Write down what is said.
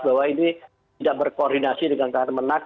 bahwa ini tidak berkoordinasi dengan tahan menak